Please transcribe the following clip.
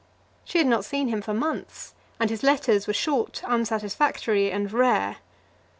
She had not seen him for months, and his letters were short, unsatisfactory, and rare.